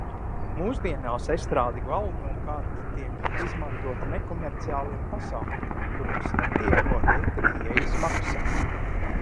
Mūsdienās estrāde galvenokārt tiek izmantota nekomerciāliem pasākumiem, kuros netiek noteikta ieejas maksa.